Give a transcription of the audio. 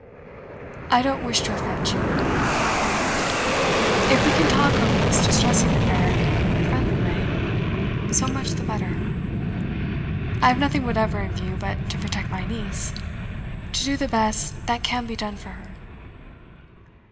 I don't wish to offend you, far from it. If we can talk over this distressing affair in a friendly way, so much the better. I have nothing whatever in view but to protect my niece to do the best that can be done for her.